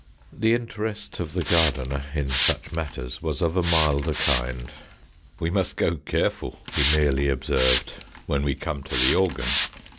The interest of the gardener in such matters was of a milder kind. "We must go careful," he merely observed, "vrhen we come to the organ."